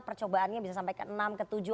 percobaannya bisa sampai ke enam ke tujuh